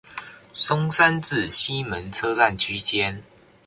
松山至西門車站區間